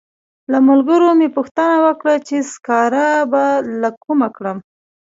له ملګرو مې پوښتنه وکړه چې سکاره به له کومه کړم.